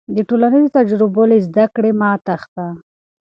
د ټولنیزو تجربو له زده کړې مه تېښته.